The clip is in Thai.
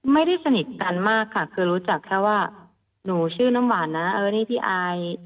ไม่ได้สนิทกันมากค่ะคือรู้จักแค่ว่าหนูชื่อน้ำหวานนะเออนี่พี่อาย